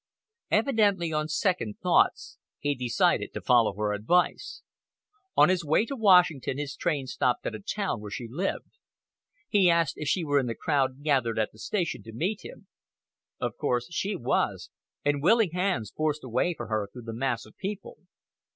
Evidently on second thoughts he decided to follow her advice. On his way to Washington his train stopped at the town where she lived. He asked if she were in the crowd gathered at the station to meet him. Of course she was, and willing hands forced a way for her through the mass of people.